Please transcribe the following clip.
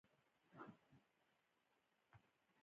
د مرئیانو خاوندانو یو منظم سازمان ته اړتیا درلوده.